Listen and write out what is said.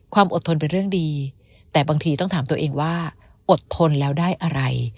ความอดทนเป็นเรื่องดีแต่บางทีต้องถามตัวเองว่าอดทนแล้วได้อะไร